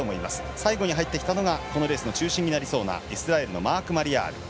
最後に入ってきたのがこのレースの中心になりそうなイスラエルのマリヤール。